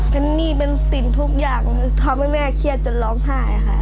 เป็นหนี้เป็นสิ่งทุกอย่างทำให้แม่เครียดจนร้องไห้ค่ะ